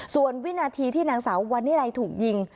ส่วนวินาทีที่นางสาววันนิรัยถูกยิง